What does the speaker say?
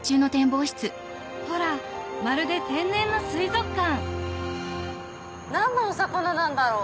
ほらまるで天然の水族館何のお魚なんだろう？